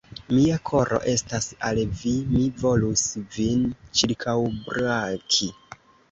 Mia koro estas al vi, mi volus vin ĉirkaŭbraki!